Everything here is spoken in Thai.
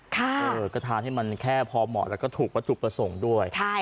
ก็ทานให้มันแค่พอเหมาะแล้วก็ถูกวัตถุประสงค์ด้วย